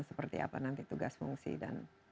seperti apa nanti tugas fungsi dan